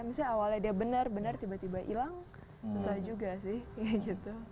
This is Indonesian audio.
misalnya awalnya dia benar benar tiba tiba hilang susah juga sih kayak gitu